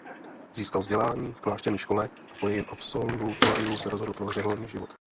Získal vzdělání v klášterní škole a po jejím absolutoriu se rozhodl pro řeholní život.